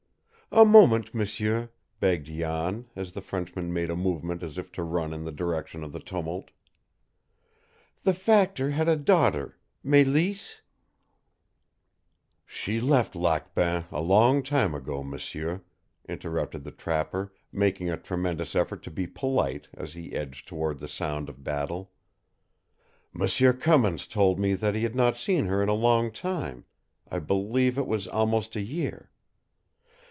"A moment, m'sieur," begged Jan, as the Frenchman made a movement as if to run in the direction of the tumult. "The factor had a daughter Mélisse " "She left Lac Bain a long time ago, m'sieur," interrupted the trapper, making a tremendous effort to be polite as he edged toward the sound of battle. "M'sieur Cummins told me that he had not seen her in a long time I believe it was almost a year.